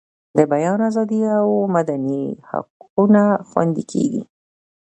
د بیان ازادي او مدني حقونه خوندي کیږي.